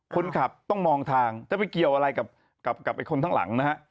คนขับต้องมองทางจะไปเกี่ยวอะไรกับคนข้างหลังนะฮะ